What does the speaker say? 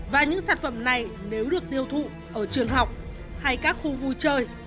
và những sản phẩm này nếu được tiêu thụ ở trường học hay các khu vui chơi